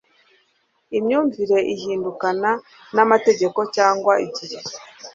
imyumvire ihindukana n'amateka cyangwa igihe